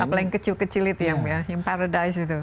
apa yang kecil kecil itu yang paradise itu